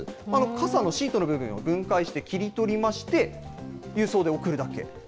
傘のシートの部分を分解して切り取りまして、郵送で送るだけ。